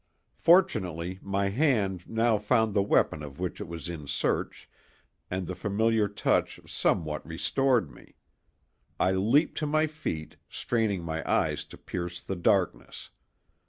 Fortunately my hand now found the weapon of which it was in search, and the familiar touch somewhat restored me. I leaped to my feet, straining my eyes to pierce the darkness.